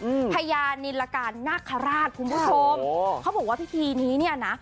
พญานินรการนาคาราชคุณผู้ชมโอ้เขาบอกว่าพิธีนี้เนี้ยน่ะ